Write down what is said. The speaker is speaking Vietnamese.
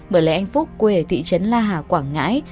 bởi lẽ anh phúc quê thị trấn la hà quảng ngãi